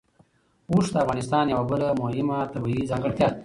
اوښ د افغانستان یوه بله مهمه طبیعي ځانګړتیا ده.